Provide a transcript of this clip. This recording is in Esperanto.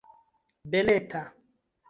beleta